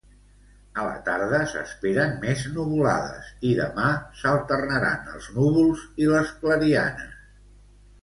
A la tarda s'esperen més nuvolades, i demà s'alternaran els núvols i les clarianes.